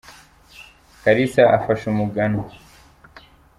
karisa afasha umuganwa.